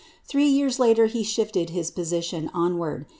Three years later he shifted his position onward.